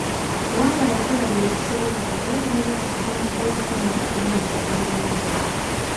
Wambwa yakola buli kisoboka okulabirira bugoonya obuto naye emmere teyabamalanga.